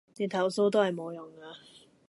你投訴都係無用